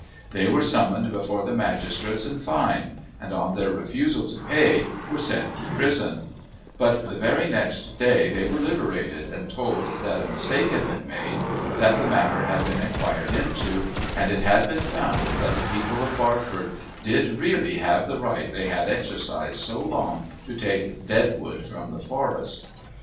They were summoned before the magistrates and fined, and on their refusal to pay were sent to prison; but the very next day they were liberated and told that a mistake had been made, that the matter had been inquired into, and it had been found that the people of Barford did really have the right they had exercised so long to take dead wood from the forest.